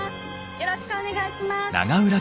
よろしくお願いします！